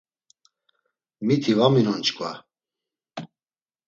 Miti va minon çkva.